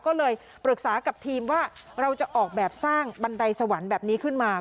ก็เลยปรึกษากับทีมว่าเราจะออกแบบสร้างบันไดสวรรค์แบบนี้ขึ้นมา